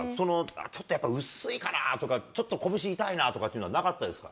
ちょっとやっぱり薄いかなとか、ちょっと拳痛いなとかいうのはなかったですか。